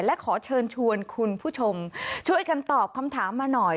และขอเชิญชวนคุณผู้ชมช่วยกันตอบคำถามมาหน่อย